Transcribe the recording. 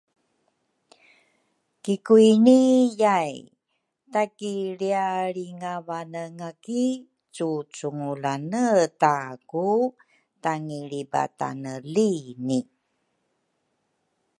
Kikwini yai takilrialringavanenga ki cucungulane ta ku tangilribatane lini